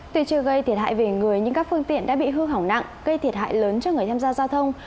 tuy chưa gây thiệt hại về người nhưng các phương tiện đã bị hư hỏng nặng gây thiệt hại lớn cho người tham gia giao thông